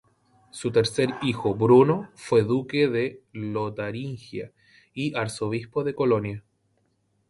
Su tercer hijo, Bruno, fue duque de Lotaringia y arzobispo de Colonia.